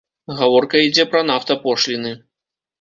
Гаворка ідзе пра нафтапошліны.